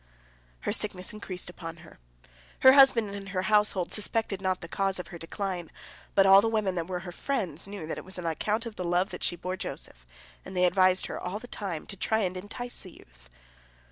Her sickness increased upon her. Her husband and her household suspected not the cause of her decline, but all the women that were her friends knew that it was on account of the love she bore Joseph, and they advised her all the time to try to entice the youth.